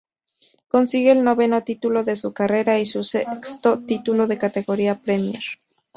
Consigue el noveno título de su carrera y su sexto título de categoría Premier.